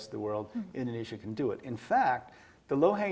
kita aturkan dengan cepat